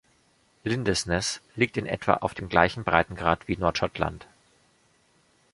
Lindesnes liegt in etwa auf dem gleichen Breitengrad wie Nord-Schottland.